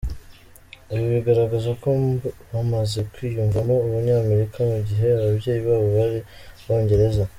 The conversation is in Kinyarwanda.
Ibi bigaragaza ko bamaze kwiyumvamo Ubunyamerika mu gihe ababyeyi babo ari Abongereza.